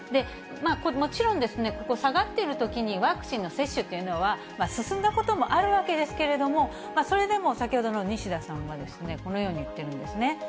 もちろん、ここ、下がってるときにワクチンの接種というのは、進んだこともあるわけですけれども、それでも先ほどの西田さんは、このように言ってるんですね。